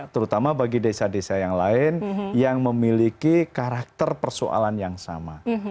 terutama bagi desa desa yang lain yang memiliki karakter persoalan yang sama